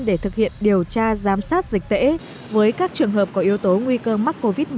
để thực hiện điều tra giám sát dịch tễ với các trường hợp có yếu tố nguy cơ mắc covid một mươi chín